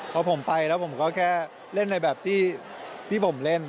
พอผมไปแล้วผมก็แค่เล่นในแบบที่ผมเล่น